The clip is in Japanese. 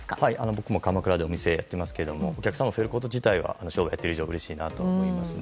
僕も鎌倉でお店をやっていますがお客さんが増えること自体は商売をやっている以上うれしいなと思いますね。